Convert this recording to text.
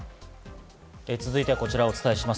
続いたこちらをお伝えしていきます。